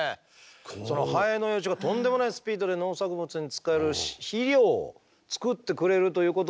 そのハエの幼虫がとんでもないスピードで農作物に使える肥料を作ってくれるということで。